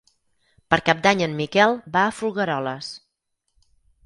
Per Cap d'Any en Miquel va a Folgueroles.